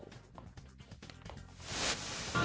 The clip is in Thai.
นะครับลูก